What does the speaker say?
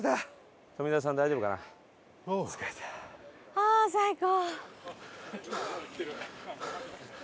ああ最高。